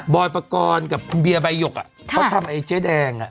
บอยล์ปกรณ์กับเบียบายกเขาทำไอ้เจ๊แดง